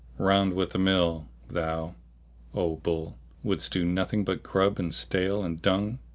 Round with the mill! thou, O bull, wouldst do nothing but grub and stale and dung!"